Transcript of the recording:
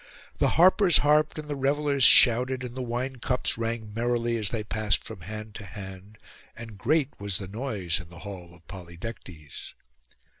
The harpers harped, and the revellers shouted, and the wine cups rang merrily as they passed from hand to hand, and great was the noise in the hall of Polydectes.